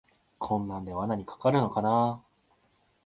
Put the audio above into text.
こんなんで罠にかかるのかなあ